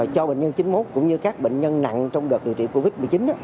cho bệnh nhân chín mươi một cũng như các bệnh nhân nặng trong đợt điều trị covid một mươi chín